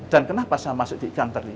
dan kenapa saya masuk di ikan teri